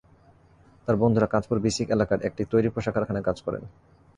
তাঁর বন্ধুরা কাঁচপুর বিসিক এলাকার একটি তৈরি পোশাক কারখানায় কাজ করেন।